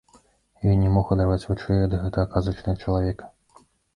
Ён не мог адарваць вачэй ад гэтага казачнага чалавека.